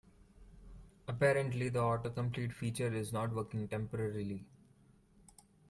Apparently, the autocomplete feature is not working temporarily.